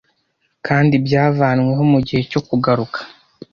kandi byavanyweho mugihe cyo kugaruka